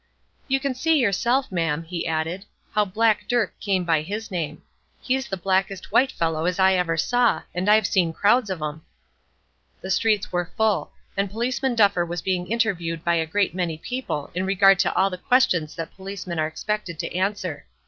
"You can see yourself, ma'am," he added, "how Black Dirk came by his name. He is the blackest white fellow as ever I saw, and I've seen crowds of 'em." The streets were full, and Policeman Duffer was being interviewed by a great many people in regard to all the questions that policemen are expected to answer.